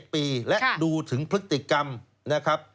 ปีและดูถึงพฤติกรรมนะครับ